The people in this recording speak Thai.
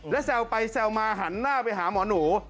แล้วแซวไปแซวมาหันหน้าไปหาหมอหนู